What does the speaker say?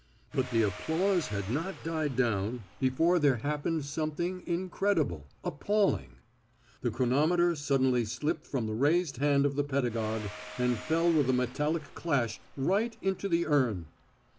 But the applause had not died down before there happened something incredible, appalling. The chronometer suddenly slipped from the raised hand of the pedagogue, and fell with a metallic clash right into the urn.